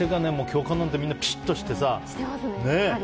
教官なんかみんなピシッとしてさ。